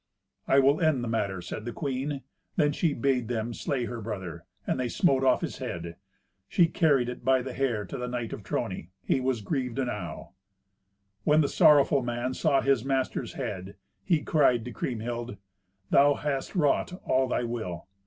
"I will end the matter," said the queen. Then she bade them slay her brother, and they smote off his head. She carried it by the hair to the knight of Trony. He was grieved enow. When the sorrowful man saw his master's head, he cried to Kriemhild, "Thou hast wrought all thy will.